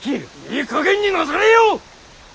いいかげんになされよ！